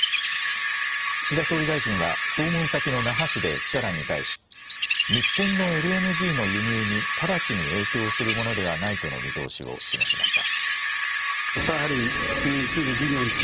岸田総理大臣は訪問先の那覇市で記者団に対し日本のＬＮＧの輸入に直ちに影響するものではないとの見通しを示しました。